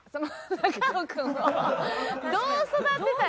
どう育てたい？